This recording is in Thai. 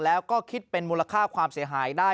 แล้วก็คิดเป็นมูลค่าความเสียหายได้